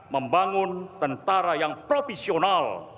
membangun tentara yang profesional